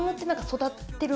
育てる。